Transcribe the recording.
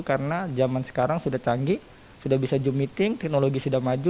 karena zaman sekarang sudah canggih sudah bisa jump meeting teknologi sudah maju